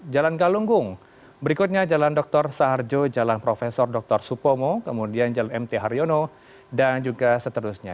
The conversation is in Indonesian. jalan galunggung berikutnya jalan dr saharjo jalan prof dr supomo kemudian jalan mt haryono dan juga seterusnya